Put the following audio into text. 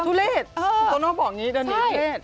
ุเลศคุณโตโน่บอกอย่างนี้ดันมีเพศ